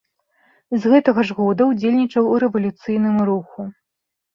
З гэта ж года ўдзельнічаў у рэвалюцыйным руху.